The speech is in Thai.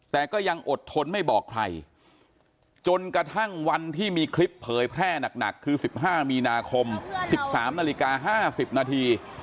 แต่ก็ยังอดทนไม่บอกใครจนกระทั่งวันที่มีคลิปเผยแพร่หนักคือ๑๕มีนาคม๑๓นาฬิกา๕๐นาที